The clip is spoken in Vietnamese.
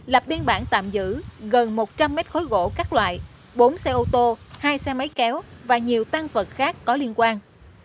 lập biên bản tạm giữ gần một trăm linh mét khối gỗ các loại bốn xe ô tô hai xe máy kéo và nhiều tăng vật khác có liên quan